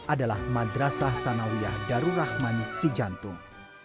adalah madrasah sanawiyah darurahman sijantung